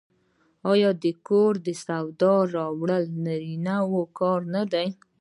آیا د کور د سودا راوړل د نارینه کار نه دی؟